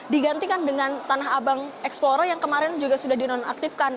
digantikan dengan tanah abang explore yang kemarin juga sudah dinonaktifkan